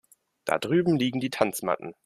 Da drüben liegen die Tanzmatten.